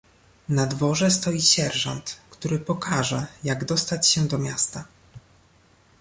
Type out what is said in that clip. "Na dworze stoi sierżant, który pokaże, jak dostać się do miasta."